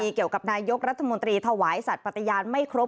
เกี่ยวกับนายกรัฐมนตรีถวายสัตว์ปฏิญาณไม่ครบ